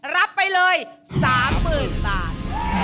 รับไปเลย๓หมื่นบาท